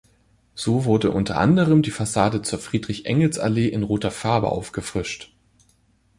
So wurde unter anderem die Fassade zur Friedrich-Engels-Allee in roter Farbe aufgefrischt.